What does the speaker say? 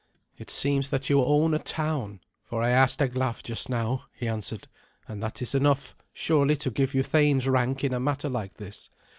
"It seems that you own a town, for I asked Eglaf just now," he answered; "and that is enough surely to give you thane's rank in a matter like this.